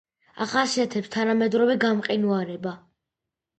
ახასიათებს თანამედროვე გამყინვარება.